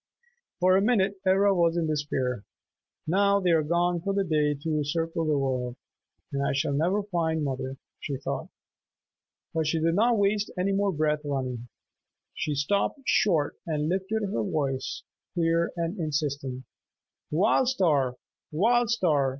For a minute Ivra was in despair. "Now they are gone for the day to circle the world, and I shall never find mother," she thought. But she did not waste any more breath running. She stopped short and lifted her voice, clear and insistent, "Wild Star! Wild Star!